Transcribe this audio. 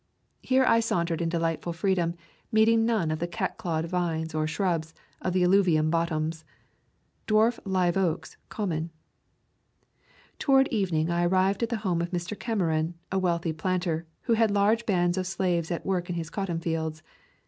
Here I sauntered in delightful freedom, meeting none of the cat clawed vines, or shrubs, of the alluvial bot toms. Dwarf live oaks common. Toward evening I arrived at the home of Mr. Cameron, a wealthy planter, who had large bands of slaves at work in his cotton fields.